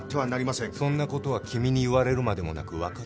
そんな事は君に言われるまでもなくわかってる。